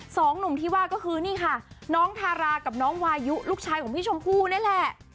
สองหนุ่มที่ว่าก็คือนี่ค่ะน้องทารากับน้องวายุลูกชายของพี่ชมพู่นี่แหละ